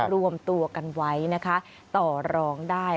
รวมตัวกันไว้นะคะต่อรองได้